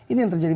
ini yang terjadi